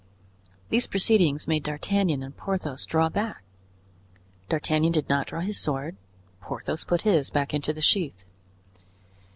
These proceedings made D'Artagnan and Porthos draw back. D'Artagnan did not draw his sword; Porthos put his back into the sheath.